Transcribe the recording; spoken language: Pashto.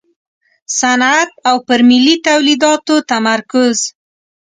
صنعت او پر ملي تولیداتو تمرکز.